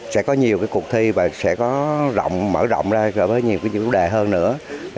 sẽ có nhiều cuộc thi và sẽ có mở rộng ra với nhiều vấn đề hơn nữa